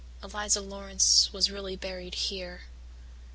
Eliza Laurance was really buried here.